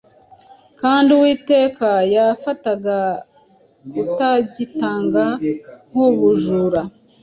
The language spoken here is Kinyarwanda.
kandi Uwiteka yafataga kutagitanga nk’ubujura.